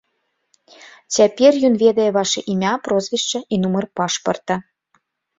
Цяпер ён ведае вашы імя, прозвішча і нумар пашпарта.